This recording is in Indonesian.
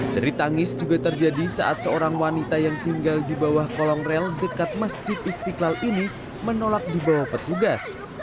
ceri tangis juga terjadi saat seorang wanita yang tinggal di bawah kolong rel dekat masjid istiqlal ini menolak dibawa petugas